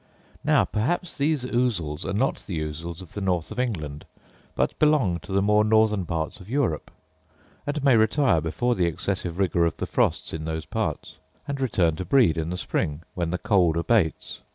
Now perhaps these ousels are not the ousels of the north of England, but belong to the more northern parts of Europe; and may retire before the excessive rigour of the frosts in those parts; and return to breed in the spring, when the cold abates.